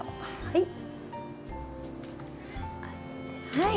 はい。